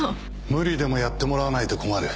無理でもやってもらわないと困る。